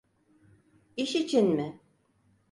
İş için mi?